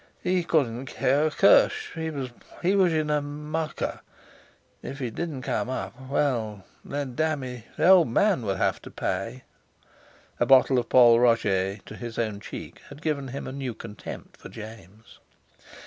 He didn't care a cursh. He wash in—a mucker. If it didn't come up—well then, damme, the old man would have to pay!" A bottle of Pol Roger to his own cheek had given him a new contempt for James.